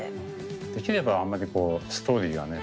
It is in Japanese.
できればあんまりこうストーリーがね